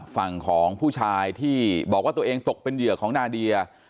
ฝั่งของผู้ชายที่บอกว่าตัวเองตกเป็นเหยื่อของนาเดีย